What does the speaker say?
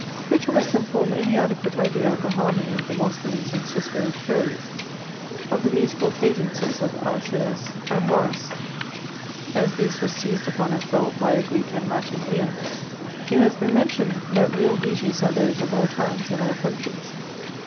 Which of us can form any adequate idea of the harmony of Demosthenes* and Cicero's prose — of the musical cadences of Alcaeus and Horace— as these were seized upon and felt by a Greek and Latin ear? It has been men tioned that real beauties are those of all times and aU countries.